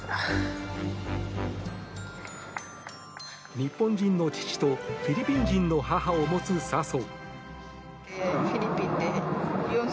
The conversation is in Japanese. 日本人の父とフィリピン人の母を持つ笹生。